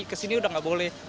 kesini udah gak boleh